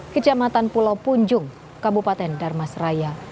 kecamatan pulau punjung kabupaten darmasraya